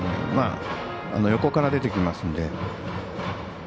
横から出てきますので。